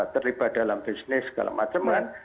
terlibat dalam bisnis segala maceman